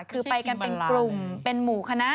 คือไปกันเป็นกลุ่มเป็นหมู่คณะ